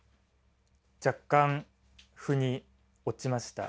若干腑に落ちました。